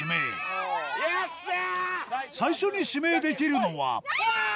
最初に指名できるのはあぁ！